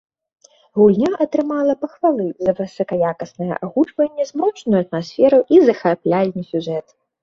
Гульня атрымала пахвалы за высакаякаснае агучванне, змрочную атмасферу і захапляльны сюжэт.